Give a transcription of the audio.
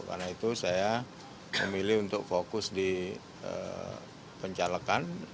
karena itu saya memilih untuk fokus di pencalekan